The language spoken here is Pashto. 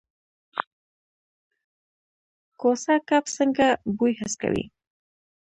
کوسه کب څنګه بوی حس کوي؟